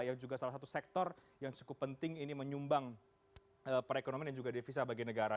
yang juga salah satu sektor yang cukup penting ini menyumbang perekonomian dan juga devisa bagi negara